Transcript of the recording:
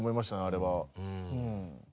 あれは。